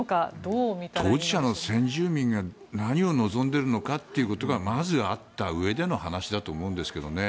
当事者の先住民が何を望んでいるのかがまずあったうえでの話だと思うんですけどね。